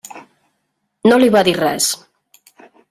No li va dir res.